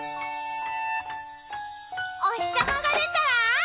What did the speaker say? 「おひさまがでたらわーい！